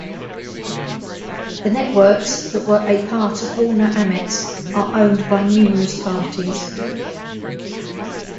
The networks that were a part of Warner-Amex are owned by numerous parties.